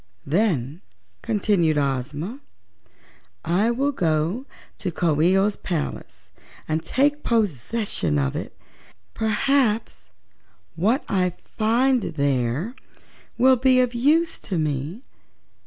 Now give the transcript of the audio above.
"Then," continued Ozma, "I will go to Coo ee oh's palace and take possession of it. Perhaps what I find there will be of use to me.